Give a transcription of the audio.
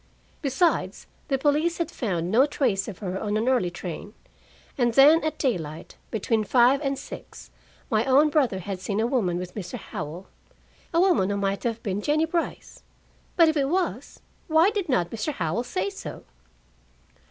Besides, the police had found no trace of her on an early train. And then at daylight, between five and six, my own brother had seen a woman with Mr. Howell, a woman who might have been Jennie Brice. But if it was, why did not Mr. Howell say so?